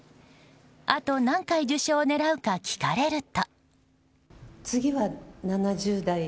あと何回受賞を狙うか聞かれると。